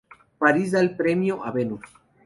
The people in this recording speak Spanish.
Paris da el premio a Venus.